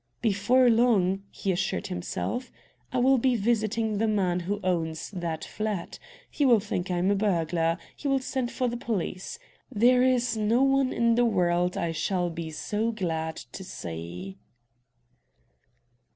"Before long," he assured himself, "I will be visiting the man who owns that flat. He will think I am a burglar. He will send for the police. There is no one in the world I shall be so glad to see!"